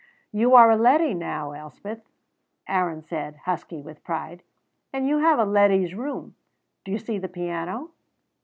"You are a leddy now, Elspeth," Aaron said, husky with pride, "and you have a leddy's room. Do you see the piano?"